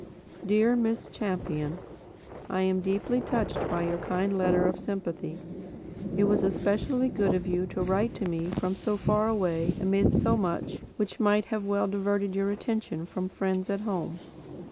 Dear Miss Champion ... I am deeply touched by your kind letter of sympathy ... It was especially good of you to write to me from so far away amid so much which might well have diverted your attention from friends at home."